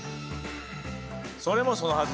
それもそのはず